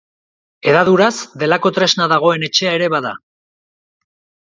Hedaduraz, delako tresna dagoen etxea ere bada.